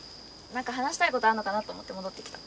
何か話したいことあんのかなと思って戻って来た。